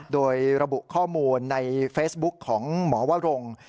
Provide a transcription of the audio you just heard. โดยระบุข้อมูลในเฟซบุ๊คของหมอวรง